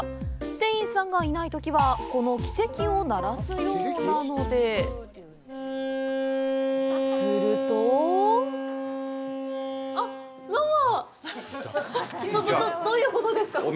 店員さんがいないときはこの汽笛を鳴らすようなのでするとあっ、どうも！